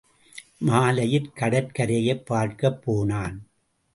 மாலையில் கடற்கரையைப் பார்க்கப் போனான்.